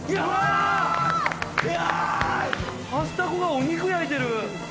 アスタコがお肉焼いてる！